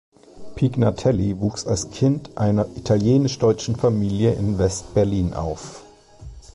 Pignatelli wuchs als Kind einer italienisch-deutschen Familie in West-Berlin auf.